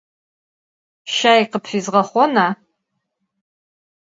Şay khıpfizğexhona?